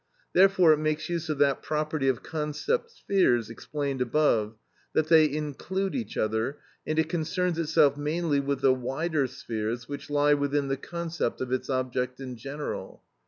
Therefore, it makes use of that property of concept spheres explained above, that they include each other, and it concerns itself mainly with the wider spheres which lie within the concept of its object in general.